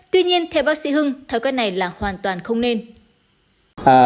tuy nhiên theo bác sĩ hưng thói quen này là hoàn toàn không nên